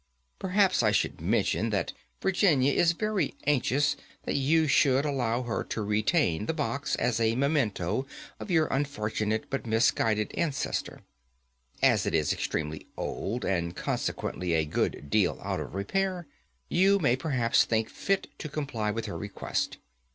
Perhaps I should mention that Virginia is very anxious that you should allow her to retain the box, as a memento of your unfortunate but misguided ancestor. As it is extremely old, and consequently a good deal out of repair, you may perhaps think fit to comply with her request.